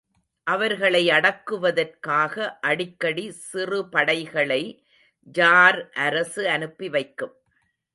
அவர்களை அடக்குவதற்காக அடிக்கடி சிறுபடைகளை ஜார் அரசு அனுப்பி வைக்கும்.